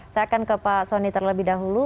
saya akan ke pak soni terlebih dahulu